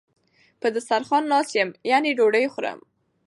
په دسترخان ناست یم یعنی ډوډی خورم